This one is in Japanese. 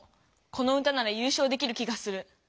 この歌なら優勝できる気がする。